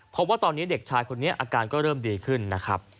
พบว่าตอนนี้เด็กชายคนนี้อาการก็เริ่มดีขึ้นนะครับ